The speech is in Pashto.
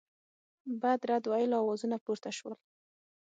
بد رد ویلو آوازونه پورته سول.